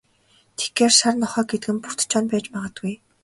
Тэгэхээр, шар нохой гэдэг нь Бөртэ Чоно байж магадгүй.